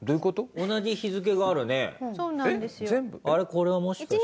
これはもしかして。